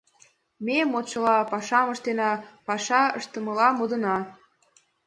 Ме, модшыла, пашам ыштена, паша ыштышыла модына.